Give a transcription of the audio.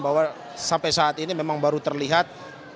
bahwa sampai saat ini memang baru terlihat